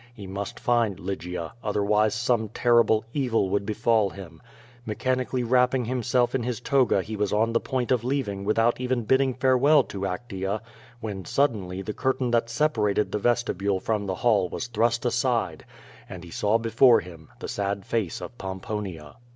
He must find Lygia, otherwise some terrible evil would befall him. Mechanically wrapping himself in his toga he was on the point of leaving without even bidding farewell to Actea, when suddenly the curtain that separated the vestibule from the hall was thrust aside, and he saw before him the sad face of Pomponia.